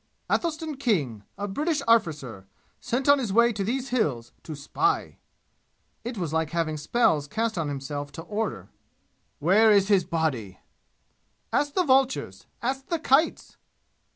"Athelstan King a British arrficer sent on his way to these 'Hills' to spy!" It was like having spells cast on himself to order! "Where is his body?" "Ask the vultures! Ask the kites!"